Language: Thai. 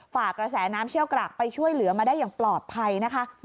ฝ่ากระแสน้ำเชี่ยวกรากไปช่วยเหลือมาได้อย่างปลอดภัยนะคะ